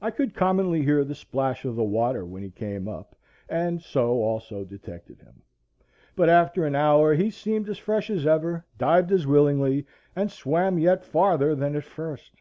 I could commonly hear the splash of the water when he came up, and so also detected him. But after an hour he seemed as fresh as ever, dived as willingly and swam yet farther than at first.